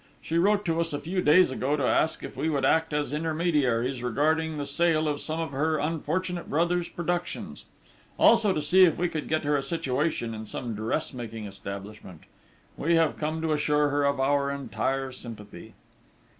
She wrote to us a few days ago to ask if we would act as intermediaries regarding the sale of some of her unfortunate brother's productions, also to see if we could get her a situation in some dressmaking establishment.... We have come to assure her of our entire sympathy."